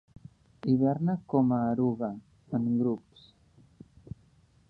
Hiberna com a eruga, en grups.